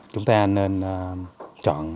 chúng ta nên chọn